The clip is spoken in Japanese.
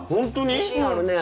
自信あるね。